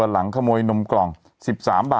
ชอบคุณครับ